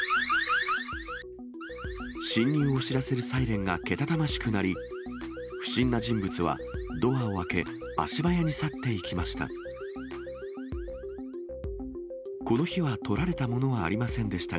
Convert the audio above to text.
侵入を知らせるサイレンがけたたましく鳴り、不審な人物は、ドアを開け、足早に去っていきました。